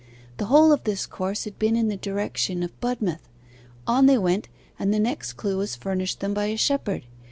The whole of this course had been in the direction of Budmouth. On they went, and the next clue was furnished them by a shepherd.